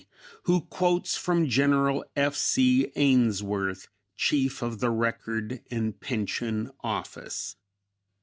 who quotes from General F. C. Ainsworth, Chief of the Record and Pension Office.)